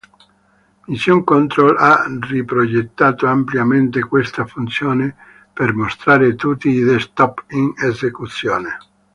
Mission Control ha riprogettato ampiamente questa funzione per mostrare tutti i desktop in esecuzione.